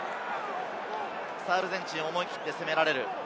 アルゼンチンは思い切って攻められる。